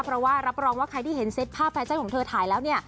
เพราะว่ารับรองว่าใครที่เห็นเซตภาพแฟชั่นของเธอถ่ายแล้วเนี่ย